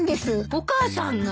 お母さんが？